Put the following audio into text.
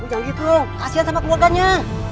kamu jangan gitu kasihan sama keluarganya